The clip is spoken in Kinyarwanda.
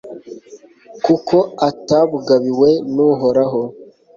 kuko atabugabiwe n'uhoraho